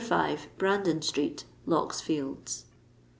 5, Brandon Street, Lock's Fields_."